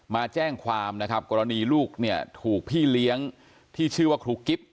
มาแจ้งความนะครับกรณีลูกเนี่ยถูกพี่เลี้ยงที่ชื่อว่าครูกิ๊บ